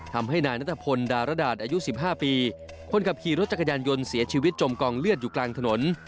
ทำให้นายนัทพลดารดาษอายุ๑๕ปีคนขับขี่รถจักรยานยนต์เสียชีวิตจมกองเลือดอยู่กลางถนน